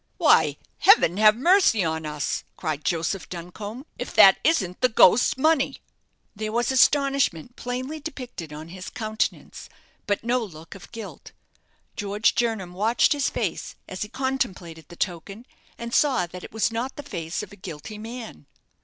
"Why! heaven have mercy on us!" cried Joseph Duncombe, "if that isn't the ghost's money!" There was astonishment plainly depicted on his countenance; but no look of guilt. George Jernam watched his face as he contemplated the token, and saw that it was not the face of a guilty man.